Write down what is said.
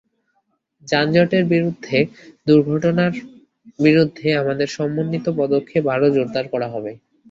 যানজটের বিরুদ্ধে, দুর্ঘটনার বিরুদ্ধে আমাদের সমন্বিত পদক্ষেপ আরও জোরদার করা হবে।